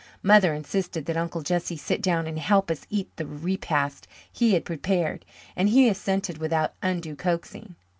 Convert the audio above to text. Mother insisted that Uncle Jesse sit down and help us eat the repast he had prepared, and he assented without undue coaxing.